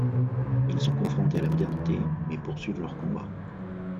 Ils sont confrontés à la modernité, mais poursuivent leur combat...